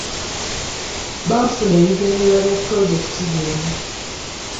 Baafuna ebigendererwa bya pulojekiti byonna.